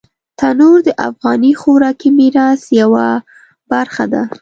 تنور د افغاني خوراکي میراث یوه برخه ده